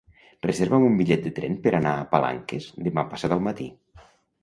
Reserva'm un bitllet de tren per anar a Palanques demà passat al matí.